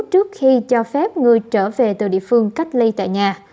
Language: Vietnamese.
trước khi cho phép người trở về từ địa phương cách ly tại nhà